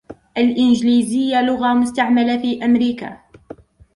الإنجليزية لغة مستعملة في أمريكا.